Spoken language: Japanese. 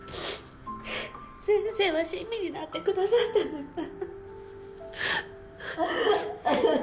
先生は親身になってくださったんだから。